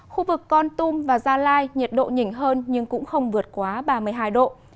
khu vực con tum và gia lai nhiệt độ nhỉnh hơn nhưng cũng không vượt quá ba mươi hai độ